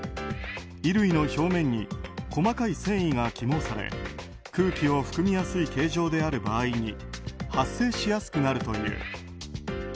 衣類の表面に細かい繊維が起毛され空気を含みやすい形状である場合に発生しやすくなるという。